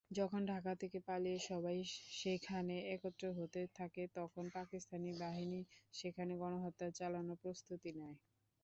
যখন ঢাকা থেকে পালিয়ে সবাই সেখানে একত্র হতে থাকে, তখন পাকিস্তানি বাহিনী সেখানে গণহত্যা চালানোর প্রস্তুতি নেয়।